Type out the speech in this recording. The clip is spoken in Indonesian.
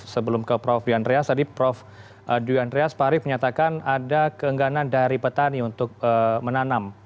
sebelum ke prof dwi andreas tadi prof dwi andreas pak arief menyatakan ada keengganan dari petani untuk menanam